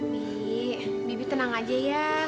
mie bibi tenang aja ya